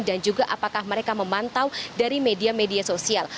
dan juga apakah mereka memantau dari media media sosial